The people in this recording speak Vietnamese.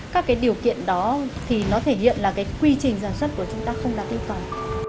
các điều kiện đó thể hiện quy trình sản xuất của chúng ta không đạt yêu cầu